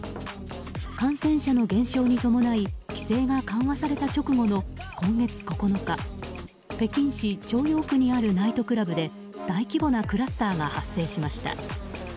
感染者の減少に伴い規制が緩和された直後の今月９日、北京市朝陽区にあるナイトクラブで大規模なクラスターが発生しました。